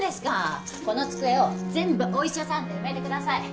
この机を全部お医者さんで埋めてください。